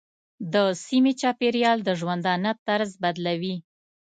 د سیمې چاپېریال د ژوندانه طرز بدلوي.